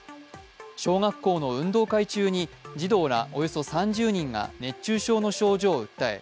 小学校の運動会中に児童らおよそ３０人が熱中症の症状を訴え